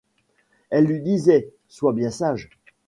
Elle lui disait : Sois bien sage !